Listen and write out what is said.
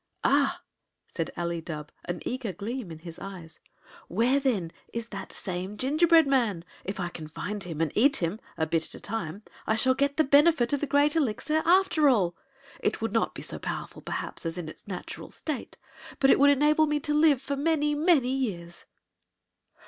"Ah!" said Ali Dubh, an eager gleam in his eyes, "where, then, is that same gingerbread man? If I can find him, and eat him, a bit at a time, I shall get the benefit of the Great Elixir after all! It would not be so powerful, perhaps, as in its natural state; but it would enable me to live for many, many years!"